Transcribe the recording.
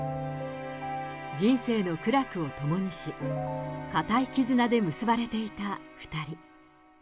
人生の苦楽を共にし、固い絆で結ばれていた２人。